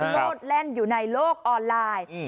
โลดแล่นอยู่ในโลกออนไลน์